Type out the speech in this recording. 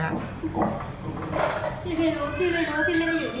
พี่คือไม่ได้อยู่นี่